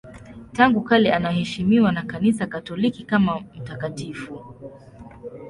Tangu kale anaheshimiwa na Kanisa Katoliki kama mtakatifu.